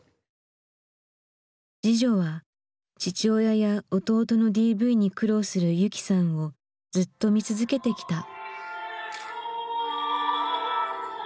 次女は父親や弟のＤＶに苦労する雪さんをずっと見続けてきた。